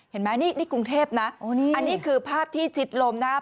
เห็นไหมนี่กรุงเทพนะอันนี้คือภาพที่ชิดลมนะครับ